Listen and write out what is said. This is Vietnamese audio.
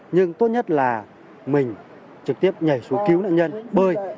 nhưng tốt nhất là mình trực tiếp nhảy xuống cứu nạn nhân bơi